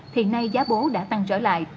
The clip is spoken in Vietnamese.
thì nay giá bố đã tăng trở lại